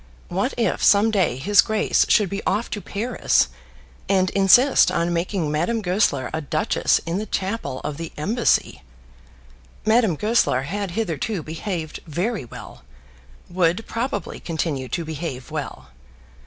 What if some day his grace should be off to Paris and insist on making Madame Goesler a duchess in the chapel of the Embassy! Madame Goesler had hitherto behaved very well; would probably continue to behave well.